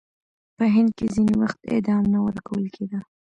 په هند کې ځینې وخت اعدام نه ورکول کېده.